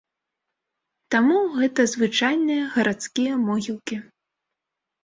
Таму гэта звычайныя гарадскія могілкі.